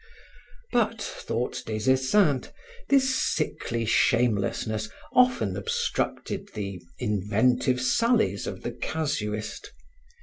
But, thought Des Esseintes, this sickly shamelessness often obstructed the inventive sallies of the casuist.